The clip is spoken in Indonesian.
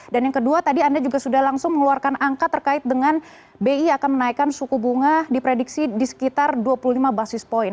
dan yang kedua tadi anda juga sudah langsung mengeluarkan angka terkait dengan bi akan menaikkan suku bunga diprediksi di sekitar dua puluh lima basis point